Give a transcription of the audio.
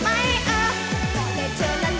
เพราะใครเธอนั้นโดน